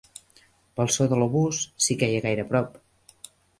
...pel so de l'obús, si queia gaire a prop.